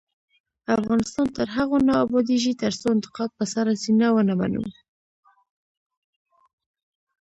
افغانستان تر هغو نه ابادیږي، ترڅو انتقاد په سړه سینه ونه منو.